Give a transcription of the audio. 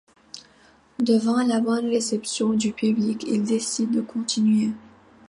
Devant la bonne réception du public, ils décident de continuer.